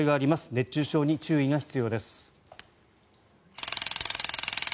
熱中症に注意が必要です。